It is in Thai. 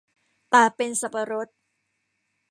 ตาเป็นสับปะรด